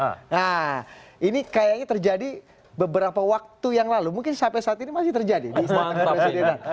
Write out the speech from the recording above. nah ini kayaknya terjadi beberapa waktu yang lalu mungkin sampai saat ini masih terjadi di istana kepresidenan